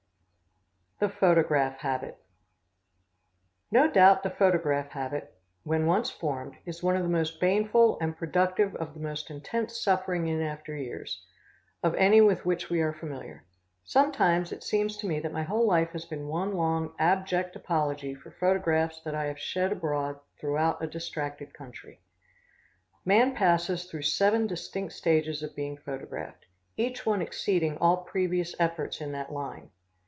The Photograph Habit. No doubt the photograph habit, when once formed, is one of the most baneful, and productive of the most intense suffering in after years, of any with which we are familiar. Some times it seems to me that my whole life has been one long, abject apology for photographs that I have shed abroad throughout a distracted country. Man passes through seven distinct stages of being photographed, each one exceeding all previous efforts in that line.